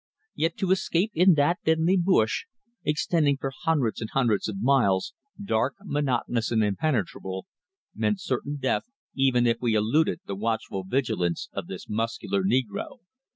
Yet to escape in that deadly bush, extending for hundreds and hundreds of miles, dark, monotonous and impenetrable, meant certain death even if we eluded the watchful vigilance of this muscular negro.